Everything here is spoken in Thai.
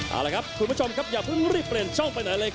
เอาละครับคุณผู้ชมครับอย่าเพิ่งรีบเปลี่ยนช่องไปไหนเลยครับ